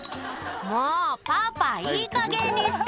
「もうパパいいかげんにして」